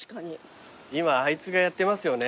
今あいつがやってますよね。